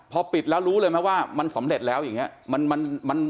พอปิดแล้วรู้เลยไหมว่ามันสำเร็จแล้วอย่างนี้